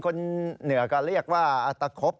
คนเหนือก็เรียกว่าตะครบ